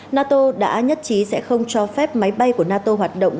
nato đã nhất trí sẽ không cho phép máy bay của nato hoạt động